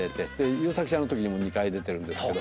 優作ちゃんのときにも２回出てるんですけど